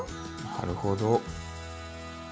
なるほど。